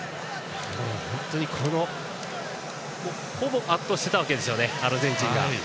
本当にほぼ圧倒していたわけですよねアルゼンチンが。